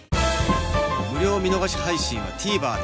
無料見逃し配信は ＴＶｅｒ で